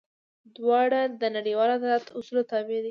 دواړه د نړیوال عدالت اصولو تابع دي.